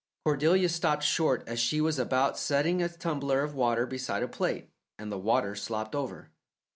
Cordelia stopped short as she was about setting a tumbler of water beside a plate, and the water slopped over.